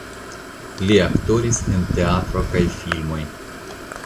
Li aktoris en teatro kaj filmoj.